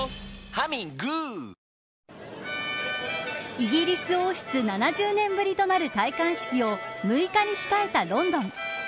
イギリス王室７０年ぶりとなる戴冠式を６日に控えたロンドン。